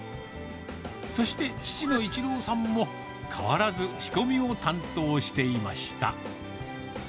そして父の一朗さんも、変わらず仕込みを担当していました。